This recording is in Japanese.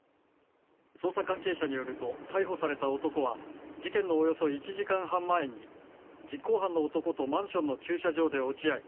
捜査関係者によると逮捕された男は事件のおよそ１時間半前に実行犯の男とマンションの駐車場で落ち合い